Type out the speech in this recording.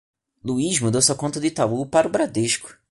Luiz mudou sua conta do Itaú para o Bradesco.